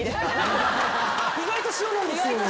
意外と塩なんですよ。